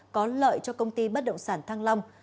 có lợi cho công ty bất động sản thăng long